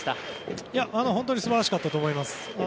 本当にすばらしかったと思います。